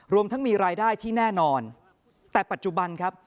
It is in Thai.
รวมทั้งมีรายได้ที่แน่นอนแต่ปัจจุบันครับ